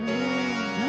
何？